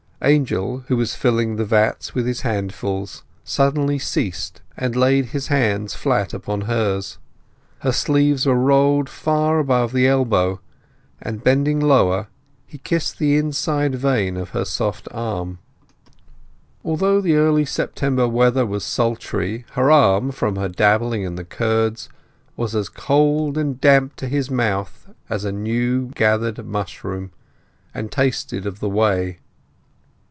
Angel, who was filling the vats with his handful, suddenly ceased, and laid his hands flat upon hers. Her sleeves were rolled far above the elbow, and bending lower he kissed the inside vein of her soft arm. Although the early September weather was sultry, her arm, from her dabbling in the curds, was as cold and damp to his mouth as a new gathered mushroom, and tasted of the whey.